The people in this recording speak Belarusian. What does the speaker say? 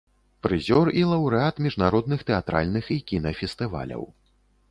Прызёр і лаўрэат міжнародных тэатральных і кінафестываляў.